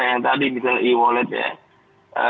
yang tadi misalnya e wallet ya